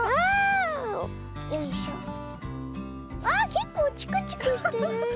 けっこうチクチクしてる。